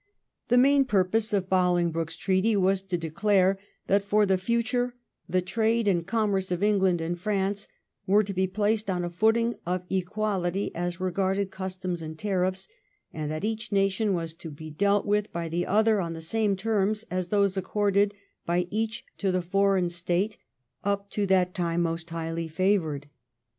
The main purpose of Bolingbroke's treaty was to declare that for the future the trade and commerce of England and France were to be placed on a footing of equality as regarded customs and tariffs, and that each nation was to be dealt with by the other on the same terms as those accorded by each to the foreign State up to 142 THE REIGJSI OF QlfEEN ANNE. oh. xxtii. that time most highly favoured.